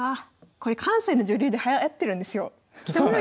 これ関西の女流ではやってるんですよ。